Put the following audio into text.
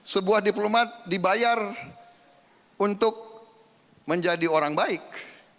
sebuah diplomat dibayar untuk menjadi orang baik